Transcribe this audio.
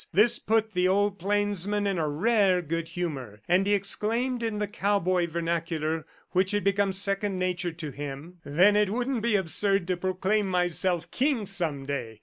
This put the old plainsman in rare good humor and he exclaimed in the cowboy vernacular which had become second nature to him "Then it wouldn't be absurd to proclaim myself king some day?